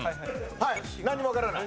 はい何もわからない。